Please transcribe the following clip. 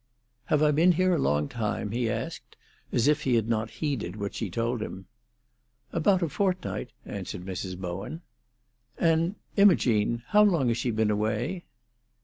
"Have I been here a long time?" he asked, as if he had not heeded what she told him. "About a fortnight," answered Mrs. Bowen. "And Imogene—how long has she been away?"